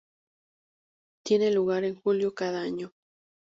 Tiene lugar en julio cada año.